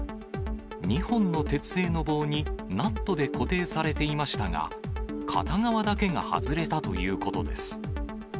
２本の鉄製の棒に、ナットで固定されていましたが、片側だけが外れたということです。